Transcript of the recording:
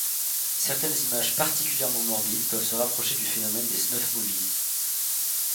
Certaines images particulièrement morbides peuvent se rapprocher du phénomène des snuff movies.